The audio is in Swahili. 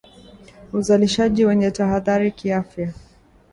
Uzalishaji wenye tahadhari kiafya